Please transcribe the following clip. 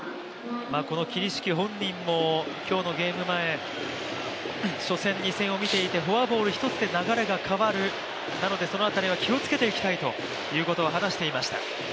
この桐敷本人も今日のゲーム前、初戦、２戦を見ていて、フォアボール一つで流れが変わるなので、その辺りは気をつけていきたいということを話していました。